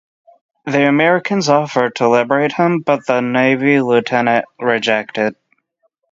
The Americans offered to liberate him but the Navy Lieutenant rejected.